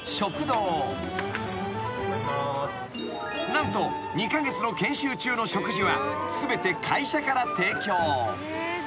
［何と２カ月の研修中の食事は全て会社から提供］